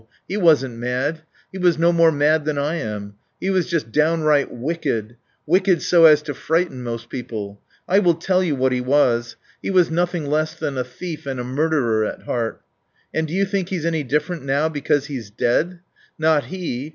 He wasn't mad. He was no more mad than I am. He was just downright wicked. Wicked so as to frighten most people. I will tell you what he was. He was nothing less than a thief and a murderer at heart. And do you think he's any different now because he's dead? Not he!